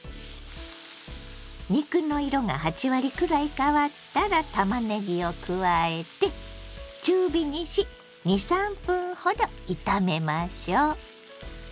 肉の色が８割くらい変わったらたまねぎを加えて中火にし２３分ほど炒めましょう。